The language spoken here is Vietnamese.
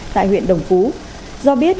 tại huyện đồng phú do biết